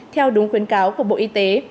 theo đúng khuyến cáo của bộ y tế